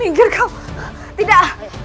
minggir kau tidak